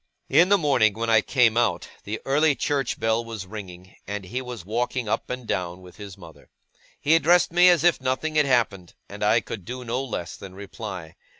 In the morning, when I came out, the early church bell was ringing, and he was walking up and down with his mother. He addressed me as if nothing had happened, and I could do no less than reply.